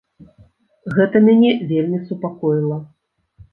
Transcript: Гэта мяне вельмі супакоіла.